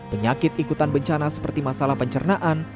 penyakit ikutan bencana seperti masalah pencernaan